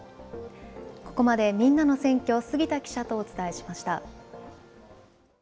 ここまでみんなの選挙、杉田記者とお伝えしました。